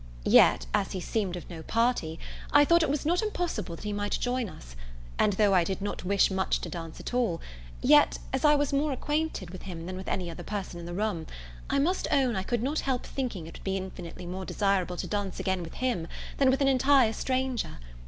Yet, as he seemed of no party, I thought it was not impossible that he might join us; and though I did not wish much to dance at all yet, as I was more acquainted with him than with any other person in the room, I must own I could not help thinking it would be infinitely more desirable to dance again with him than with an entire stranger.